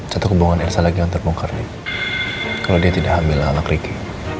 satu hubungan elsa lagi yang terbongkar nih kalau dia tidak hamil ala ricky